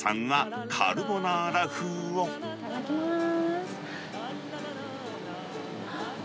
いただきます。